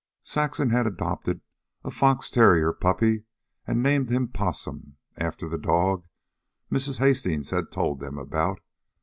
Saxon had adopted a fox terrier puppy and named him Possum, after the dog Mrs. Hastings had told them about.